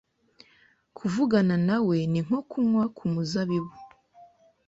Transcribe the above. Kuvugana nawe ni nko kunywa ku muzabibu